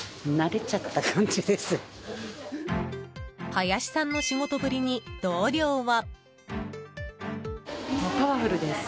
林さんの仕事ぶりに、同僚は。